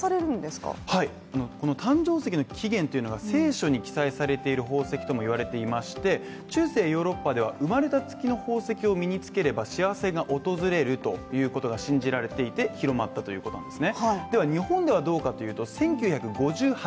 この誕生石の起源というのが聖書に記載されている宝石とも言われていまして、中世ヨーロッパでは、生まれた月の宝石を身につければ幸せが訪れるということが信じられていて、広まったということですね。